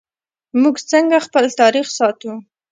موږ څنګه خپل تاریخ ساتو؟